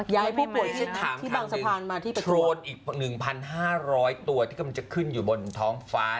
ย้ายผู้ป่วยฉันถามครั้งหนึ่งโทรนอีก๑๕๐๐ตัวที่กำลังจะขึ้นอยู่บนท้องฟ้า